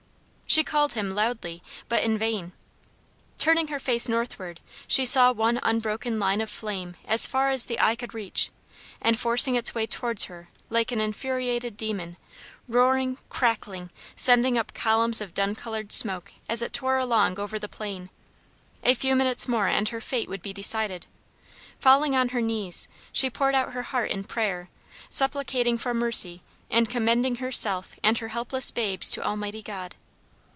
She called him loudly, but in vain. Turning her face northward she saw one unbroken line of flame as far as the eye could reach, and forcing its way towards her like an infuriated demon, roaring, crackling, sending up columns of dun colored smoke as it tore along over the plain. A few minutes more and her fate would be decided. Falling on her knees she poured out her heart in prayer, supplicating for mercy and commending herself and her helpless babes to Almighty God.